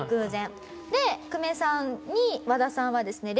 久米さんに和田さんはですね